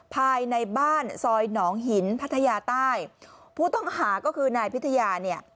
ภายในบ้านซอยหนองหินพัทยาใต้ผู้ต้องหาก็คือนายพิทยาเนี่ย